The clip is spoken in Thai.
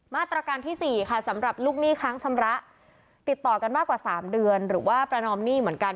มาตรการที่๔ค่ะสำหรับลูกหนี้ค้างชำระติดต่อกันมากกว่า๓เดือนหรือว่าประนอมหนี้เหมือนกัน